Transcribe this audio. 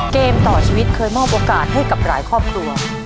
เกมต่อชีวิตเคยมอบโอกาสให้กับหลายครอบครัว